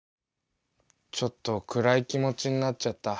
ちょっと暗い気持ちになっちゃった。